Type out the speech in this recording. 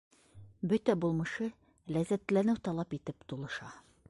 Бөтә булмышы ләззәтләнеү талап итеп тулыша.